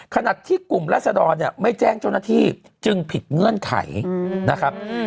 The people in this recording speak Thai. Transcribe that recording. ขณะที่กลุ่มรัศดรเนี่ยไม่แจ้งเจ้าหน้าที่จึงผิดเงื่อนไขนะครับ